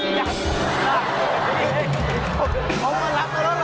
เขามารับมาเราหรอ